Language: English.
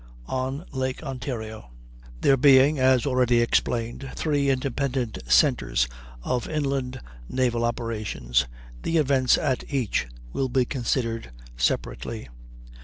On Lake Ontario. There being, as already explained, three independent centres of inland naval operations, the events at each will be considered separately.